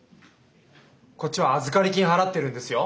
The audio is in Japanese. こっちは預かり金払ってるんですよ！